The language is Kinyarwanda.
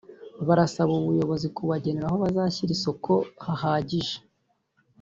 barasaba ubuyobozi kubagenera aho bashyira isoko hahagije